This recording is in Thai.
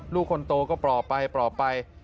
ลูกคนโตก็ปลอบไปไป